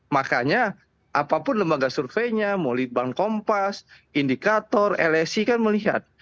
makanya apapun lembaga surveinya mau litbang kompas indikator lsi kan melihat